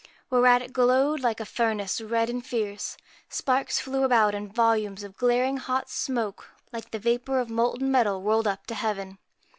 Whereat it glowed like a furnace, red and fierce ; sparks flew about, and volumes of glaring hot smoke, like the vapour of molten metal, rolled up to heaven.